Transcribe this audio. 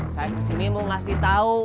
saya kesini mau ngasih tahu